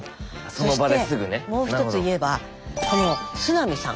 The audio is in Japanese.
そしてもう一つ言えばこの砂見さん。